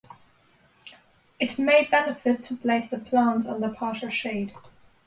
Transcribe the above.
It may benefit to place the plants under partial shade.